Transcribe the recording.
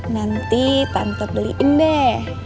nanti tante beliin deh